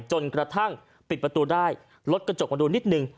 จนกระทั่งปิดประตูได้รถกระจกมาดูนิดนึง